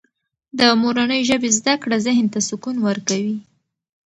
د مورنۍ ژبې زده کړه ذهن ته سکون ورکوي.